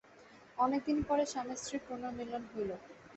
অনেকদিনের পরে স্বামীস্ত্রীর পুনর্মিলন হইল।